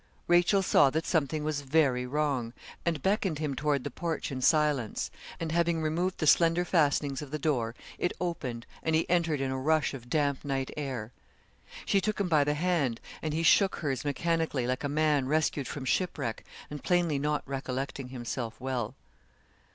Rachel saw that something was very wrong, and beckoned him toward the porch in silence, and having removed the slender fastenings of the door, it opened, and he entered in a rush of damp night air. She took him by the hand, and he shook hers mechanically, like a man rescued from shipwreck, and plainly not recollecting himself well.